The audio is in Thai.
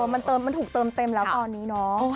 มันถูกเติมเต็มแล้วตอนนี้เนาะ